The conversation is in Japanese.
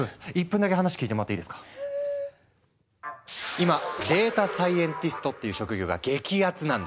今データサイエンティストっていう職業が激アツなんです！